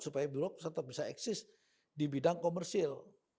supaya bulog tetap bisa eksis di bidang komersil